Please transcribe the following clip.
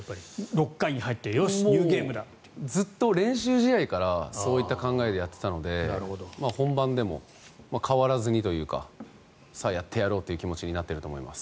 ６回に入ってよし、ニューゲームだと。ずっと練習試合からそういう考えでやっていたので本番でも変わらずにというかさあやってやろうという気持ちになっていると思います。